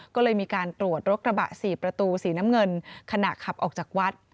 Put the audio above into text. ก็เลยมีการตรวจรถกระบะ๔ประตูสีน้ำเงินขณะขับออกจากวัด